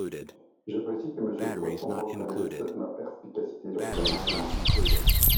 J’apprécie que Monsieur Poisson reconnaisse ma perspicacité sur cet amendement